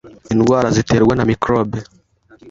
indwara ziterwa na mikorobi.